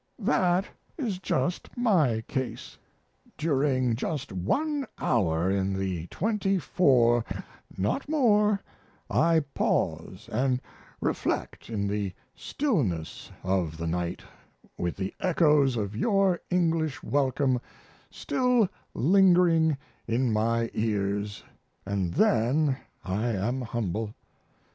That is just my case. During just one hour in the twenty four not more I pause and reflect in the stillness of the night with the echoes of your English welcome still lingering in my ears, and then I am humble.